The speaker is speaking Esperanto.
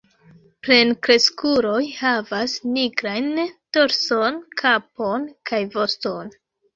Plenkreskuloj havas nigrajn dorson, kapon kaj voston.